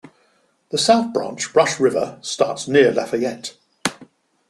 The South Branch Rush River starts near Lafayette.